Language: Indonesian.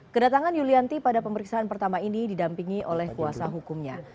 kedatangan yulianti pada pemeriksaan pertama ini didampingi oleh kuasa hukumnya